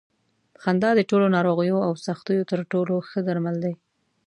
خندا د ټولو ناروغیو او سختیو تر ټولو ښه درمل دي.